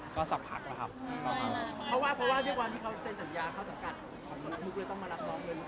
ก็สับผักนะครับ